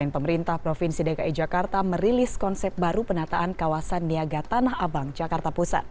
pemerintah provinsi dki jakarta merilis konsep baru penataan kawasan niaga tanah abang jakarta pusat